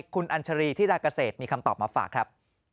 คุณอัญชารีย์ธิรากเศษมีคำตอบมาฝากครับ